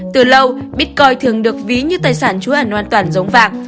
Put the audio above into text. từ lâu bitcoin thường được ví như tài sản chú ẩn an toàn giống vàng